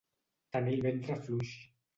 Tenir el ventre fluix.